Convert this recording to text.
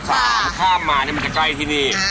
ข้ามมานี่มันจะใกล้ที่นี่